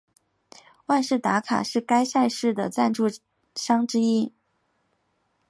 万事达卡是该赛事的赞助商之一。